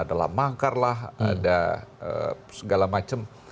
ada dalam mangkar lah ada segala macem